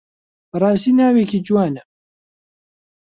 بەڕاستی ناوێکی جوانە.